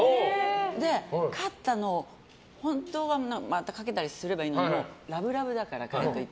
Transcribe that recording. で、勝ったのを本当はまた賭けたりすればいいのにラブラブだから。